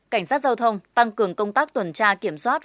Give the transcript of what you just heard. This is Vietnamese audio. cảnh sát giao thông tăng cường công tác tuần tra kiểm soát